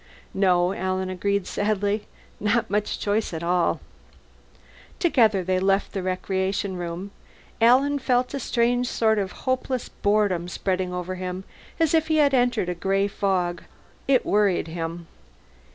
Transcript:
"No," Alan agreed sadly, "Not much choice at all." Together they left the recreation room. Alan felt a strange sort of hopeless boredom spreading over him, as if he had entered a gray fog. It worried him.